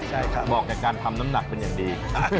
เงื่อยกับการไปทำลำดับเป็นอย่างดี